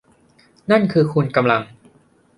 นั่นคือคุณกำลัง